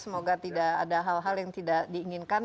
semoga tidak ada hal hal yang tidak diinginkan